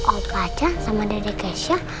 opacan sama dede keisha